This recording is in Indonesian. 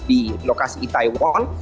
di lokasi itaewon